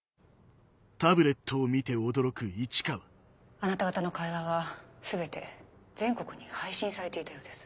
あなた方の会話は全て全国に配信されていたようです。